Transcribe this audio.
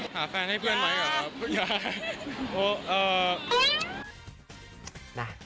หาแฟนให้เพื่อนไหมหรืออย่าโอ้เอ่อ